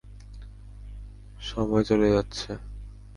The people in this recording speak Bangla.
সময় চলে যাচ্ছে!